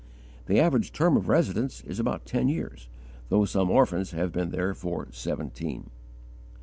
The average term of residence is about ten years, though some orphans have been there for seventeen.